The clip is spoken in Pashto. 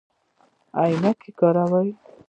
عینکې کاروئ؟